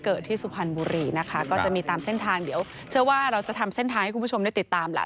ที่สุพรรณบุรีนะคะก็จะมีตามเส้นทางเดี๋ยวเชื่อว่าเราจะทำเส้นทางให้คุณผู้ชมได้ติดตามล่ะ